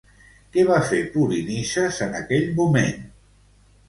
Què va fer Polinices en aquell moment?